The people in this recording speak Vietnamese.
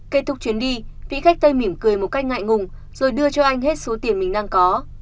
kết thúc chuyến đi vĩ khách tây mỉm cười một cách ngại ngùng rồi đưa cho anh hết số tiền mình đang có